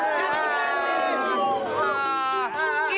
gak ada yang bayar